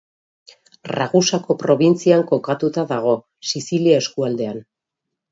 Ragusako probintzian kokatuta dago, Sizilia eskualdean.